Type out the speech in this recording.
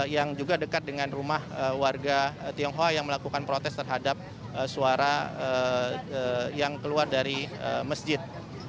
yang juga dekat dengan rumah warga tionghoa yang melakukan protes terhadap suara yang keluar dari masjid